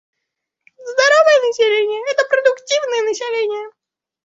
Здоровое население — это продуктивное население.